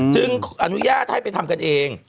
อนุญาตให้ไปทำกันเอง